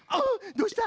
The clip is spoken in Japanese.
どうした？